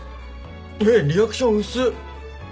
リアクション薄っ！